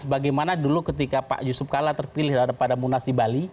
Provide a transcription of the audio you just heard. bagaimana dulu ketika pak yusuf kala terpilih daripada munas di bali